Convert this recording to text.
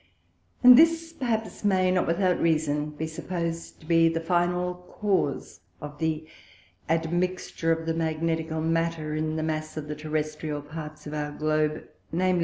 And this perhaps may not without Reason be suppos'd to be the final Cause of the admixture of the Magnetical Matter in the Mass of the Terrestrial parts of our Globe, _viz.